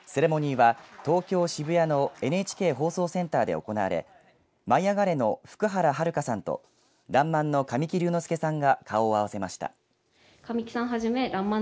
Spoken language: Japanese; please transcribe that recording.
セレモニーは東京・渋谷のＮＨＫ放送センターで行われ舞いあがれ！の福原遥さんとらんまんの神木隆之介さんが顔を合わせました。